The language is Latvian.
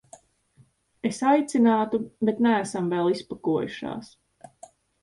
Es aicinātu, bet neesam vēl izpakojušās.